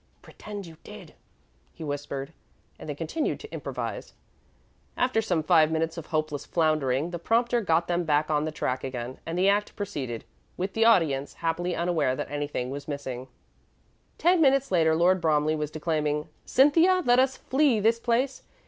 "Pretend you did," he whispered, and they continued to improvise. After some five minutes of hopeless floundering, the prompter got them back on the track again, and the act proceeded, with the audience happily unaware that anything was missing. Ten minutes later Lord Bromley was declaiming: "Cynthia, let us flee this place.